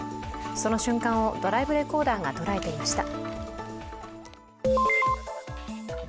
その瞬間をドライブレコーダーが捉えていました。